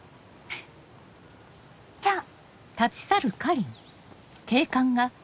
じゃあ。